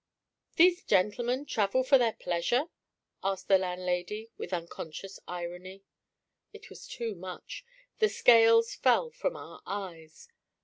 'These gentlemen travel for their pleasure?' asked the landlady, with unconscious irony. It was too much. The scales fell from our eyes.